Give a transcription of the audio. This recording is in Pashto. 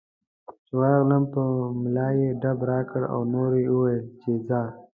چې ورغلم په ملا یې ډب راکړ او نور یې وویل چې ځه.